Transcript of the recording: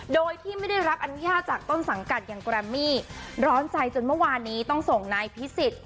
โดยที่ไม่ได้รับอนุญาตจากต้นสังกัดอย่างแกรมมี่ร้อนใจจนเมื่อวานนี้ต้องส่งนายพิสิทธิ์